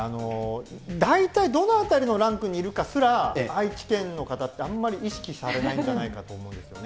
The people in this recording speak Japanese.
大体どのあたりのランクにいるかすら、愛知県の方って、あんまり意識されないんじゃないかと思うんですよね。